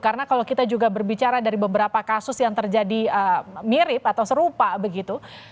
karena kalau kita juga berbicara dari beberapa kasus yang terjadi mirip atau serupa begitu